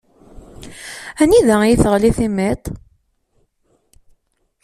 Anida iyi-teɣli timiṭ?